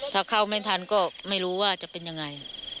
ถ้าเข้าไม่ทันก็ไม่รู้ว่าจะเป็นยังไง